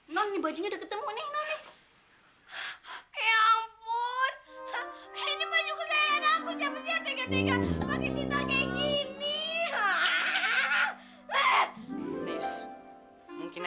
mendingan kamu bantuin aku ya